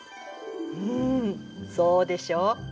うんそうでしょう。